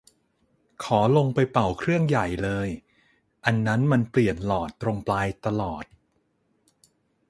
ขอลงไปเป่าเครื่องใหญ่เลย อันนั้นมันเปลี่ยนหลอดตรงปลายตลอด